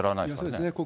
そうですね。